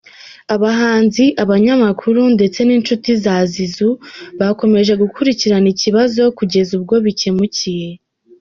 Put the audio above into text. Abahanzi, abanyamakuru ndetse n’inshuti za Zizou bakomeje gukurikirana ikibazo kueza ubwo bikemukiye.